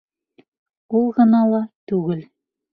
Ул ғына ла түгел.